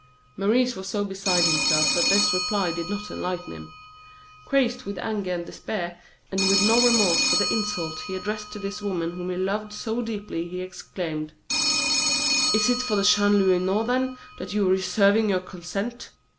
Maurice was so beside himself that this reply did not enlighten him. Crazed with anger and despair, and with no remorse for the insult he addressed to this woman whom he loved so deeply, he exclaimed: "Is it for Chanlouineau, then, that you are reserving your consent?